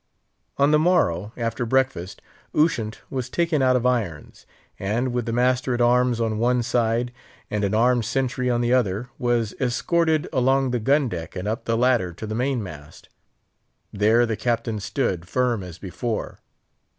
On the morrow, after breakfast, Ushant was taken out of irons, and, with the master at arms on one side and an armed sentry on the other, was escorted along the gun deck and up the ladder to the main mast. There the Captain stood, firm as before.